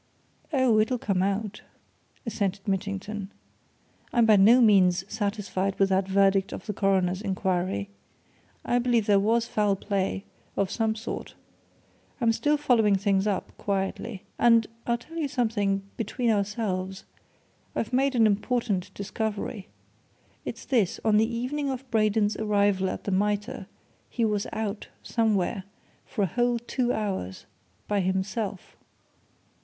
"Oh, it'll come out!" assented Mitchington. "I'm by no means satisfied with that verdict of the coroner's inquiry. I believe there was foul play of some sort. I'm still following things up quietly. And I'll tell you something between ourselves I've made an important discovery. It's this. On the evening of Braden's arrival at the Mitre he was out, somewhere, for a whole two hours by himself."